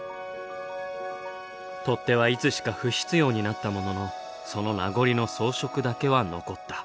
取っ手はいつしか不必要になったもののその名残の装飾だけは残った。